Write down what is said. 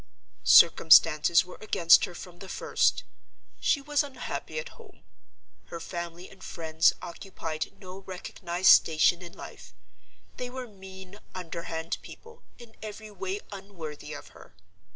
"Circumstances were against her from the first. She was unhappy at home. Her family and friends occupied no recognized station in life: they were mean, underhand people, in every way unworthy of her.